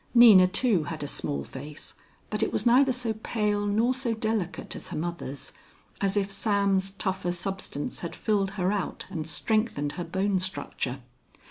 Nina, too, had a small face, but it was neither so pale nor so delicate as her mother's, as if Sam's tougher substance had filled her out and strengthened her bone structure.